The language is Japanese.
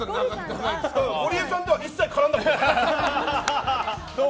ゴリエさんとは一切絡んだことはない。